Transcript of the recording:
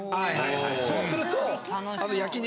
そうすると焼肉。